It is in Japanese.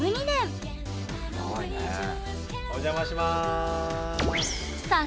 お邪魔します。